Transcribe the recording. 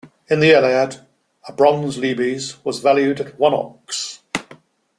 In the Iliad, a bronze lebes was valued at one ox.